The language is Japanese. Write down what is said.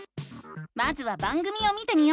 まずは番組を見てみよう！